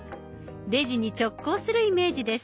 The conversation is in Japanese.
レジに直行するイメージです。